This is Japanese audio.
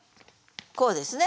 こうですね